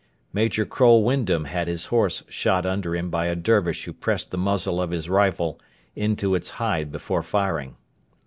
Major Crole Wyndham had his horse shot under him by a Dervish who pressed the muzzle of his rifle into its hide before firing.